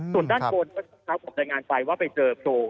ส่วนด้านบนครับผมได้งานไปว่าไปเจอโปร